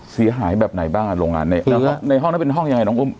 เสียหายแบบไหนบ้างอ่ะโรงงานนี้แล้วในห้องนั้นเป็นห้องยังไงน้องอุ้ม